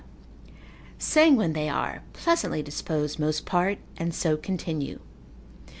sanguine they are, pleasantly disposed most part, and so continue.